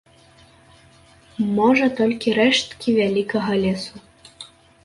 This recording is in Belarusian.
Можа, толькі рэшткі вялікага лесу.